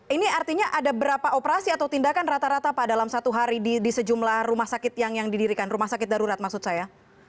ini artinya ada berapa operasi atau tindakan rata rata pak dalam satu hari di sejumlah rumah sakit yang didirikan rumah sakit darurat maksud saya